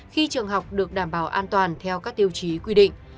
khi trường học được đảm bảo an toàn theo các tiêu chí quy định